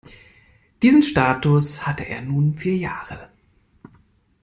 Diesen Status hatte er nun vier Jahre.